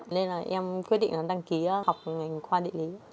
nên là em quyết định là đăng ký học ngành khoa địa lý